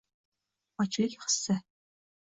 - Ochlik hissi...